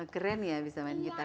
keren ya bisa main gitar